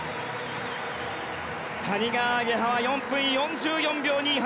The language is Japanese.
谷川亜華葉は４分４４秒２８。